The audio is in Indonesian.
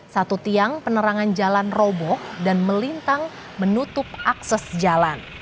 satu tiang penerangan jalan roboh dan melintang menutup akses jalan